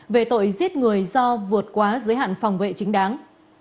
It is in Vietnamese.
về tội giết người do vượt quá giới hạn phòng vệ chính đáng